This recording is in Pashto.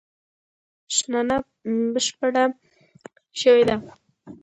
شننه بشپړه شوې ده.